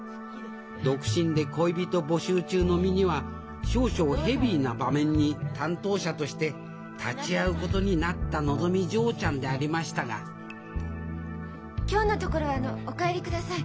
独身で恋人募集中の身には少々ヘビーな場面に担当者として立ち会うことになったのぞみ嬢ちゃんでありましたが今日のところはあのお帰りください。